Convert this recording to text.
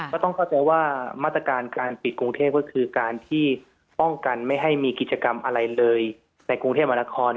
ก็ต้องเข้าใจว่ามาตรการการปิดกรุงเทพก็คือการที่ป้องกันไม่ให้มีกิจกรรมอะไรเลยในกรุงเทพมหานคร